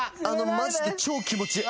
マジで超気持ちいい。